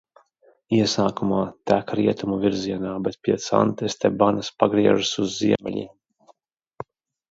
Iesākumā tek rietumu virzienā, bet pie Santestebanas pagriežas uz ziemeļiem.